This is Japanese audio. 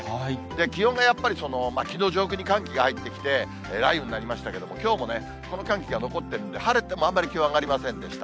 気温がやっぱり、きのう、上空に寒気が入ってきて雷雨になりましたけれども、きょうもね、この寒気が残ってるんで、晴れてもあんまり気温が上がりませんでした。